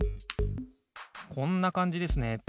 こんなかんじですね。